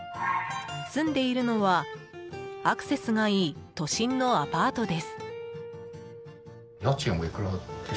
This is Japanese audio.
住んでいるのは、アクセスがいい都心のアパートです。